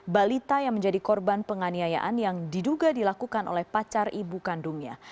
balita yang menjadi korban penganiayaan yang diduga dilakukan oleh pacar ibu kandungnya